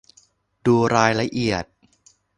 ดูรายละเอียด